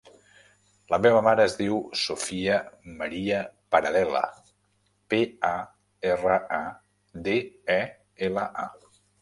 La meva mare es diu Sofia maria Paradela: pe, a, erra, a, de, e, ela, a.